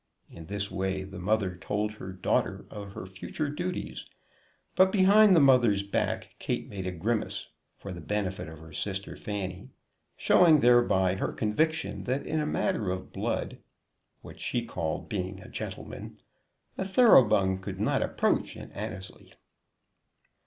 In this way the mother told her daughter of her future duties; but behind the mother's back Kate made a grimace, for the benefit of her sister Fanny, showing thereby her conviction that in a matter of blood, what she called being a gentleman, a Thoroughbung could not approach an Annesley.